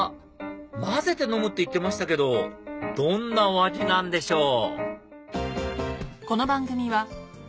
混ぜて飲むって言ってましたけどどんなお味なんでしょう？